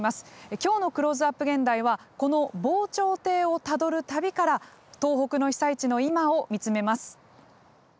今日の「クローズアップ現代」はこの防潮堤をたどる旅から東北の被災地の今を見つめます。